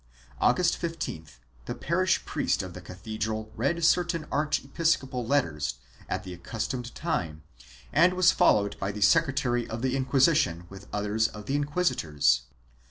August 15th the parish priest of the cathedral read certain archiepiscopal letters at the accustomed time and was followed by the secretary of the Inquisition with others of the inquisitors.